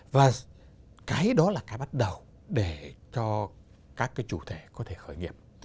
và cái đó là cái bắt đầu để cho các cái chủ thể có thể khởi nghiệp